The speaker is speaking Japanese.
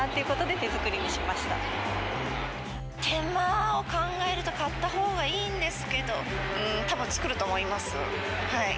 手間を考えると、買ったほうがいいんですけど、たぶん作ると思います。